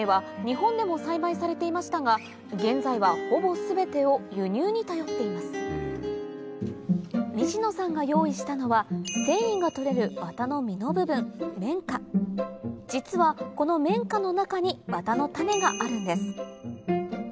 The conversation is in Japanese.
日本でもに頼っています西野さんが用意したのは繊維が取れるワタの実の部分実はこの綿花の中にワタの種があるんです